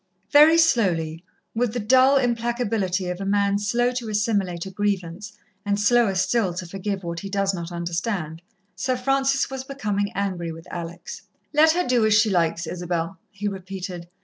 Very slowly, with the dull implacability of a man slow to assimilate a grievance, and slower still to forgive what he does not understand, Sir Francis was becoming angry with Alex. "Let her do as she likes, Isabel," he repeated.